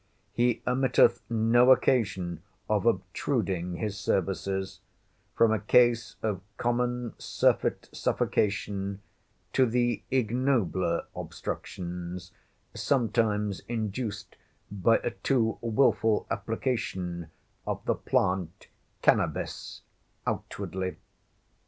He omitteth no occasion of obtruding his services, from a case of common surfeit suffocation to the ignobler obstructions, sometimes induced by a too wilful application of the plant Cannabis outwardly.